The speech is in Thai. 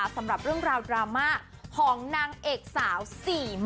สำหรับเรื่องราวดราม่าของนางเอกสาว๔หม